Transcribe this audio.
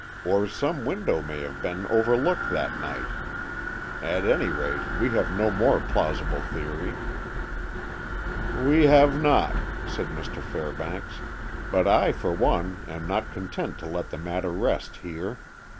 Or some window may have been overlooked that night. At any rate, we have no more plausible theory." "We have not," said Mr. Fairbanks; "but I for one am not content to let the matter rest here.